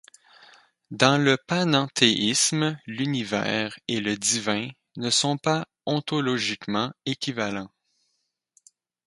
Dans le panenthéisme, l'univers et le divin ne sont pas ontologiquement équivalents.